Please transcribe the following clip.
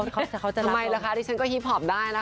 ทำไมล่ะคะดิฉันก็ฮิปพอปได้ล่ะ